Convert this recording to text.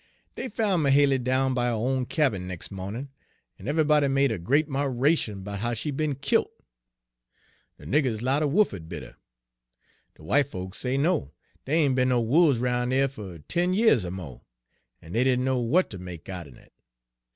"Dey foun' Mahaly down by her own cabin nex' mawnin', en eve'ybody made a great 'miration 'bout how she'd be'n killt. De niggers 'lowed a wolf had bit her. De w'ite folks say no, dey ain' be'n no wolves 'roun' dere fer ten yeahs er mo'; en dey didn' know w'at ter make out'n it.